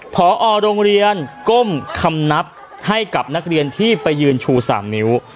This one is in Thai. พอโรงเรียนก้มคำนับให้กับนักเรียนที่ไปยืนชู๓นิ้ว